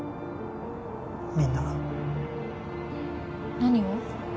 みんな何を？